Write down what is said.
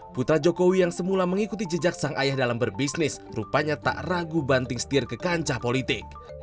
putra jokowi yang semula mengikuti jejak sang ayah dalam berbisnis rupanya tak ragu banting setir ke kancah politik